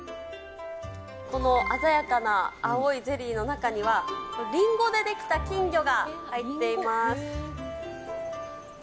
この鮮やかな青いゼリーの中には、りんごで出来た金魚が入っています。